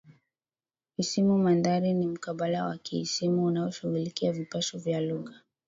Isimu Mandhari ni mkabala wa kiisimu unaoshughulikia vipashio vya lugha